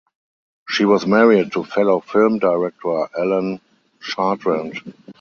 She was married to fellow film director Alain Chartrand.